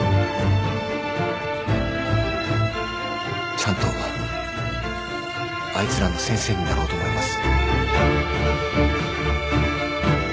ちゃんとあいつらの先生になろうと思います。